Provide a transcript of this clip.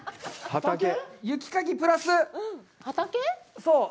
そう。